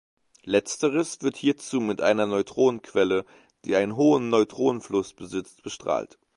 Letzteres wird hierzu mit einer Neutronenquelle, die einen hohen Neutronenfluss besitzt, bestrahlt.